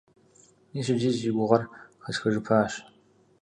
Мис иджы си гугъэр хэсхыжыпащ.